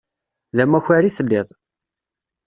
D amakar i telliḍ.